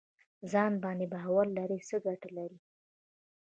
ځان باندې باور لرل څه ګټه لري؟